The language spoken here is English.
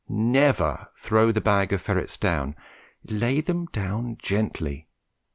Never throw the bag of ferrets down; lay them down gently.